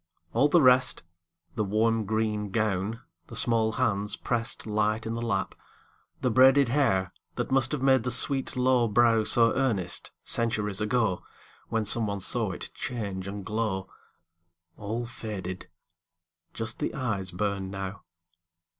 All the rest The warm green gown, the small hands pressed Light in the lap, the braided hair That must have made the sweet low brow So earnest, centuries ago, When some one saw it change and glow All faded! Just the eyes burn now.